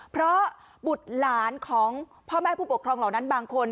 เพราะบุตรหลานของพ่อแม่ผู้ปกครองเหล่านั้นบางคน